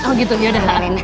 oh gitu yaudah